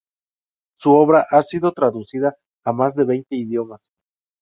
Su obra ha sido traducida a más de veinte idiomas.